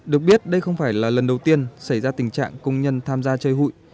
được biết đây không phải là lần đầu tiên xảy ra tình trạng công nhân tham gia chơi hụi